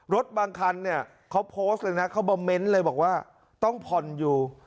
รถบางคันเนี่ยเขาโพสต์เลยนะเขามาเมนต์เลยบอกว่าต้องผ่อนอยู่